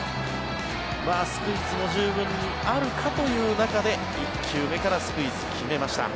スクイズも十分あるかという中で１球目からスクイズ決めました。